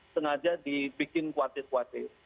sengaja dibikin khawatir khawatir